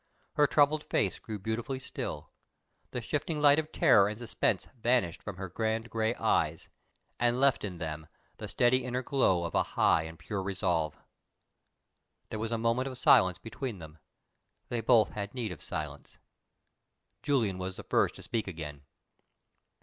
Her troubled face grew beautifully still. The shifting light of terror and suspense vanished from her grand gray eyes, and left in them the steady inner glow of a high and pure resolve. There was a moment of silence between them. They both had need of silence. Julian was the first to speak again.